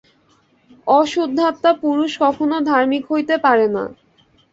অশুদ্ধাত্মা পুরুষ কখনও ধার্মিক হইতে পারে না।